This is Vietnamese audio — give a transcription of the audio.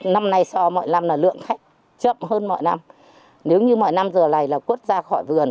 năm nay so mọi năm là lượng khách chậm hơn mọi năm nếu như mọi năm giờ này là quất ra khỏi vườn